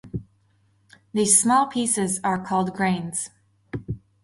These small pieces are called grains.